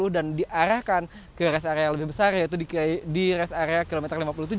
dan diarahkan ke rest area yang lebih besar yaitu di rest area kilometer lima puluh tujuh